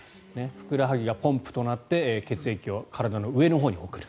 ふくらはぎがポンプとなって血液を体の上のほうに送る。